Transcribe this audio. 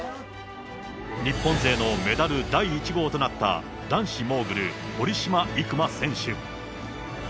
日本勢のメダル第１号となった男子モーグル、堀島行真選手。